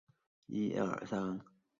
南朝梁天监六年。